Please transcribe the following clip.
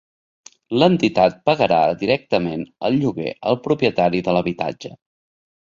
L'entitat pagarà directament el lloguer al propietari de l'habitatge.